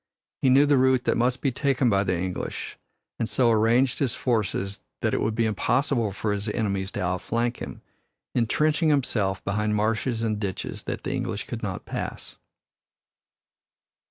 He knew the route that must be taken by the English and so arranged his forces that it would be impossible for his enemies to outflank him, entrenching himself behind marshes and ditches that the English could not pass.